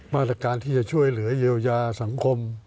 มาตรการที่จะช่วยเหลือเยียวยาสังคม